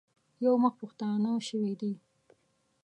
یو مخ پښتانه شوي دي.